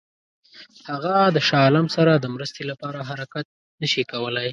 هغه د شاه عالم سره د مرستې لپاره حرکت نه شي کولای.